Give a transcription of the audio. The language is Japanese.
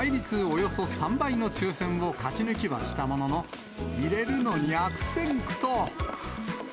およそ３倍の抽せんを勝ち抜きはしたものの、入れるのに悪戦苦闘。